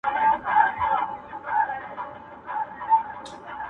ما له پلاره اورېدلي په کتاب کي مي لیدلي!